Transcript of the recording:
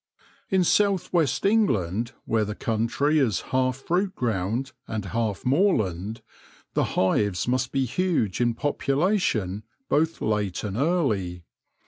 In south west England, where the country is half fruit ground and half moor land, the hives must be huge in population both late and early.